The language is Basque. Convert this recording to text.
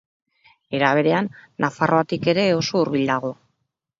Era berean, Nafarroatik ere oso hurbil dago.